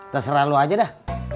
terserah lu aja dah